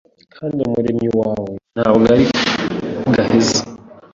Kandi Umuremyi wawe ntabwo ari gaheza